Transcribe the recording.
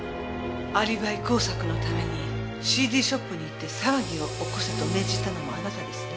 アリバイ工作のためにＣＤショップに行って騒ぎを起こせと命じたのもあなたですね？